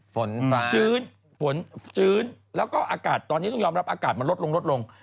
ฝนฟ้าชื้นแล้วก็ตอนนี้ต้องยอมรับอากาศมาลดลง